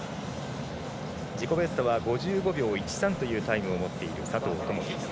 自己ベストは５５秒１３というタイムを持っている佐藤友祈。